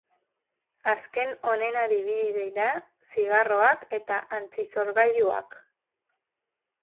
Azken honen adibide dira zigarroak edo antisorgailuak.